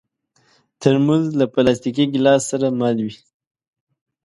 ترموز له پلاستيکي ګیلاس سره مل وي.